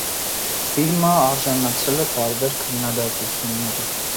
Ֆիլմը արժանացել է տարբեր քննադատությունների։